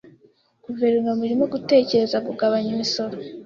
Guverinoma irimo gutekereza kugabanya imisoro.